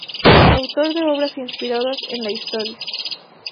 Autor de obras inspiradas en la historia.